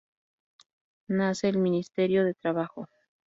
Nace el Ministerio de Trabajo.